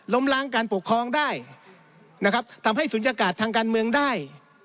ล้างการปกครองได้นะครับทำให้ศูนยากาศทางการเมืองได้